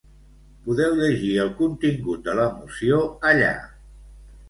Podeu llegir el contingut de la moció allà.